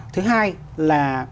thứ hai là